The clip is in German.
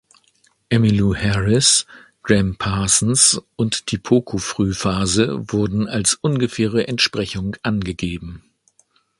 Emmylou Harris, Gram Parsons und die Poco-Frühphase wurden als ungefähre Entsprechung angegeben.